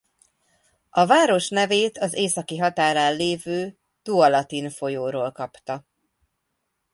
A város nevét az északi határán lévő Tualatin-folyóról kapta.